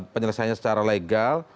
penyelesaian secara legal